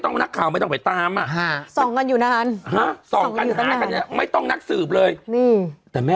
โอ้โฮพี่หนุ่มยิ้มเลย